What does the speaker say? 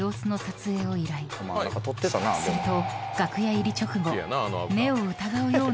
［すると］